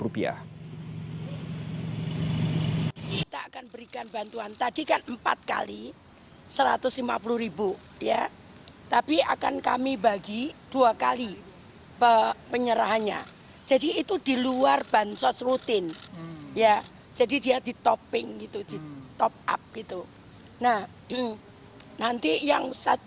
pemerintah melalui kementerian sosial akan menyalurkan bantuan rp satu ratus lima puluh setiap bulan terhitung mulai satu september mendatang